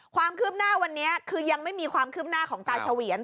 ความคืบหน้าวันนี้คือยังไม่มีความคืบหน้าของตาเฉวียน